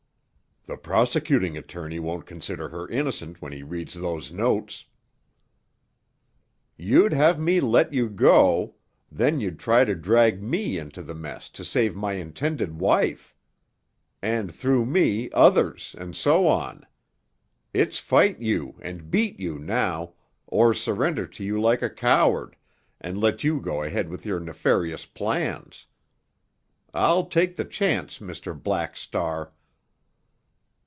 "The prosecuting attorney won't consider her innocent when he reads those notes." "You'd have me let you go—then you'd try to drag me into the mess to save my intended wife! And, through me, others—and so on! It's fight you and beat you now, or surrender to you like a coward, and let you go ahead with your nefarious plans. I'll take the chance, Mr. Black Star!"